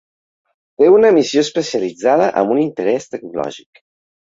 Té una missió especialitzada amb un interès tecnològic.